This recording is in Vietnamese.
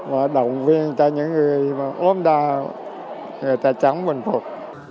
và động viên cho những người ốm đào người ta chẳng bình phục